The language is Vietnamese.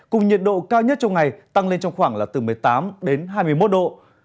cùng nhiệt độ cao nhất trong ngày tăng lên trong khoảng là từ một mươi tám đến hai mươi một độ